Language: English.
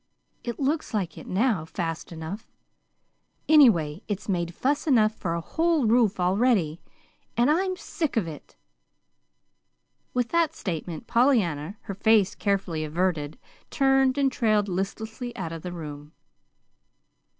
It looks like it now, fast enough. Anyway, it's made fuss enough for a whole roof already, and I'm sick of it!" With which statement, Pollyanna, her face carefully averted, turned and trailed listlessly out of the room.